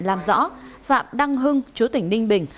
làm rõ phạm đăng hưng chúa tỉnh ninh bình